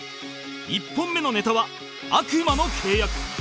１本目のネタは「悪魔の契約」